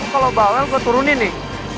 kalau mawel gue turunin nih